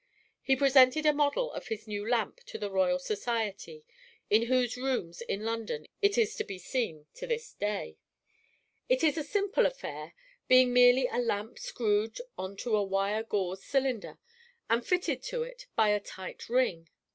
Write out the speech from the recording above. He presented a model of his new lamp to the Royal Society, in whose rooms in London it is to be seen to this day. It is a simple affair, being merely a lamp screwed on to a wire gauze cylinder, and fitted to it by a tight ring.